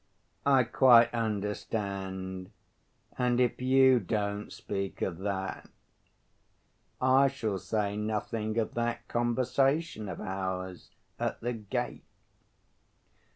"I quite understand. And if you don't speak of that, I shall say nothing of that conversation of ours at the gate."